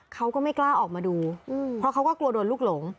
เขาก็ไม่กล้าออกมาดูเพราะเขาก็กลัวโดนลูกหลง